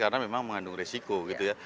karena memang mengandung resiko gitu ya